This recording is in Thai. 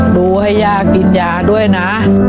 ดูให้ย่ากินยาด้วยนะ